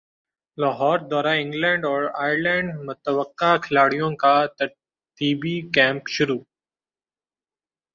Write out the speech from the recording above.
لاہوردورہ England اور ئرلینڈمتوقع کھلاڑیوں کا تربیتی کیمپ شروع